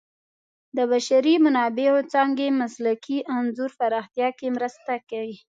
د بشري منابعو څانګې مسلکي انځور پراختیا کې مرسته کوي.